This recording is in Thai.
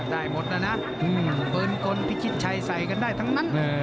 ได้หมดแล้วนะปืนกลพิชิตชัยใส่กันได้ทั้งนั้น